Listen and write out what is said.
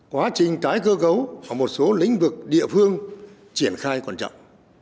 quá trình tái cơ cấu ở một số lĩnh vực địa phương triển khai còn chậm